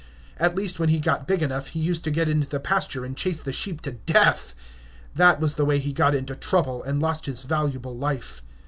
At least, when he got big enough, he used to get into the pasture and chase the sheep to death. That was the way he got into trouble, and lost his valuable life.